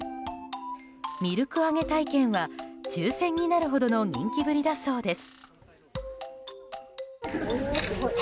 ミルクあげ体験は抽選になるほどの人気ぶりだそうです。